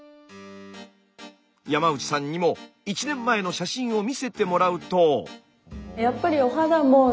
山内さんにも１年前の写真を見せてもらうと。